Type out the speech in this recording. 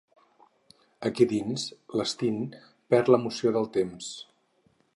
Aquí dins l'Sten perd la noció del temps.